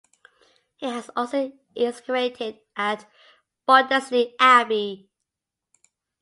He has also excavated at Bordesley Abbey.